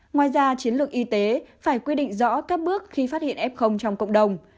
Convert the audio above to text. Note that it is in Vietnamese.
ngoài ra chiến lược y tế phải quy định rõ các bước khi phát hiện f trong cộng đồng